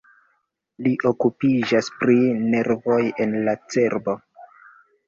Li okupiĝas pri nervoj en la cerbo.